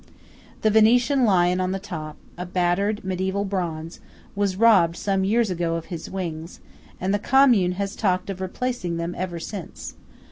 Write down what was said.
The Venetian lion on the top–a battered mediæval bronze–was robbed some years ago of his wings, and the commune has talked of replacing them ever since.